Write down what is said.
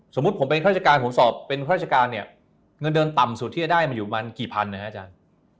สมมุติผมเป็นข้าราชการผมสอบเป็นข้าราชการเนี่ยเงินเดือนต่ำสุดที่จะได้มาอยู่ประมาณกี่พันนะครับอาจารย์